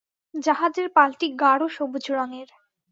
জাহাজের পালটি গাঢ় সবুজ রঙের।